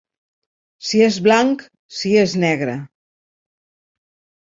Si és blanc, si és negre.